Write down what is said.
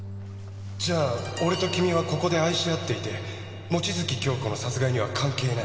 じゃあ俺と君はここで愛し合っていて望月京子の殺害には関係ない。